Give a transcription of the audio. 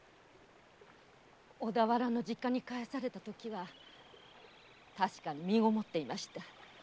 小田原の実家に帰されたときは確かに身ごもっていました。